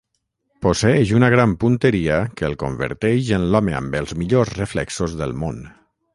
Posseeix una gran punteria que el converteix en l'home amb els millors reflexos del món.